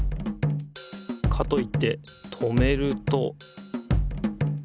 かといって止めると。